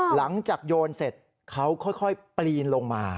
หลังจากโยนเสร็จเขาค่อยปีนลงมา